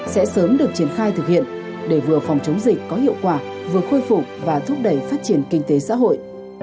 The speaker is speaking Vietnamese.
sẽ sớm được triển khai thực hiện để vừa phòng chống dịch có hiệu quả vừa khôi phục và thúc đẩy phát triển kinh tế xã hội